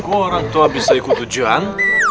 kok orang tua bisa ikut ujian